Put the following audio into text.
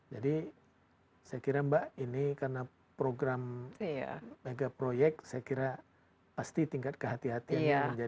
jadi saya kira mbak ini karena program megaproyek saya kira pasti tingkat kehati hatian